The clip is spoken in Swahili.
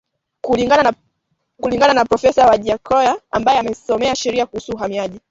Kulingana na profesa Wajackoya ambaye amesomea sheria kuhusu uhamiaji